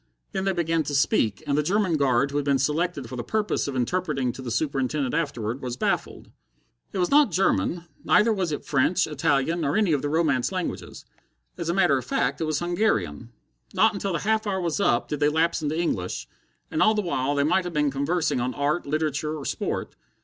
Then they began to speak, and the German guard who had been selected for the purpose of interpreting to the Superintendent afterward, was baffled. It was not German neither was it French, Italian, or any of the Romance languages. As a matter of fact, it was Hungarian. Not until the half hour was up did they lapse into English, and all the while they might have been conversing on art, literature, or sport.